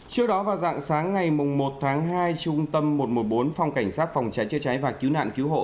trước đó vào dạng sáng ngày một tháng hai trung tâm một trăm một mươi bốn phòng cảnh sát phòng cháy chế cháy và cứu nạn cứu hộ